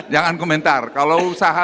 jangan komentar kalau usaha